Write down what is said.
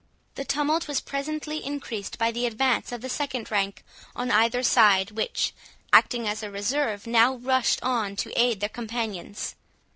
The tumult was presently increased by the advance of the second rank on either side, which, acting as a reserve, now rushed on to aid their companions.